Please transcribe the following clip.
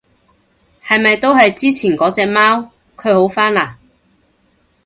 係咪都係之前嗰隻貓？佢好返嘞？